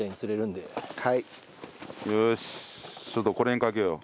ちょっとこれに懸けよう。